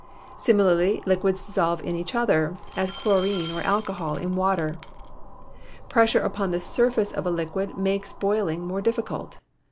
Similarly liquids dissolve in each other, as chlorine or alcohol in water. Pressure upon the surface of a liquid makes boiling more difficult.